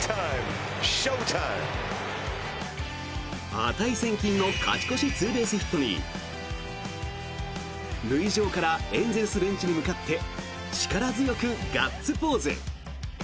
値千金の勝ち越しツーベースヒットに塁上からエンゼルスベンチに向かって力強くガッツポーズ。